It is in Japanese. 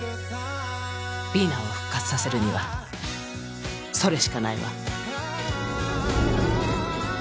美南を復活させるにはそれしかないわ。